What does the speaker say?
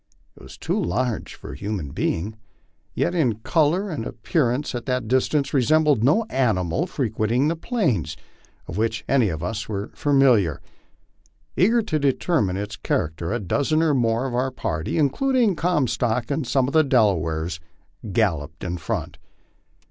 It was too large for a human being, yet in color and appearance, at that distance, resembled no ani mal frequenting the Plains with which any of us were familiar. Eager to de termine its character, a dozen or more of our party, including Comstock and some of the Delawares, galloped in front.